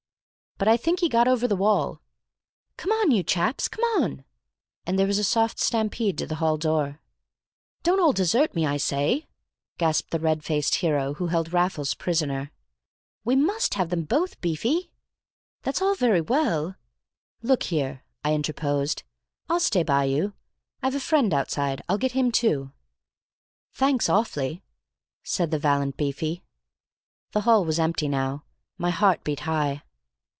"But I think he got over the wall—" "Come on, you chaps, come on!" And there was a soft stampede to the hall door. "Don't all desert me, I say!" gasped the red faced hero who held Raffles prisoner. "We must have them both, Beefy!" "That's all very well—" "Look here," I interposed, "I'll stay by you. I've a friend outside, I'll get him too." "Thanks awfully," said the valiant Beefy. The hall was empty now. My heart beat high.